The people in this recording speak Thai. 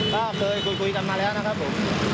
ก็เคยคุยกันมาแล้วนะครับผม